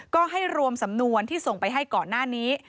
ก็ให้รวมสำนวนที่ส่งไปให้ก่อนหน้านี้